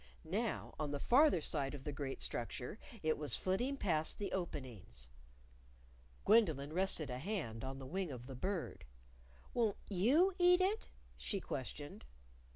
Now, on the farther side of the great structure, it was flitting past the openings. Gwendolyn rested a hand on the wing of the Bird. "Won't you eat it?" she questioned.